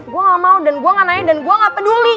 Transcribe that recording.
gue gak mau dan gue gak nanya dan gue gak peduli